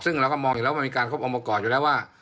ซึ่งเราก็มองอยู่แล้วมันมีการครบองค์ประกอบอยู่แล้วว่า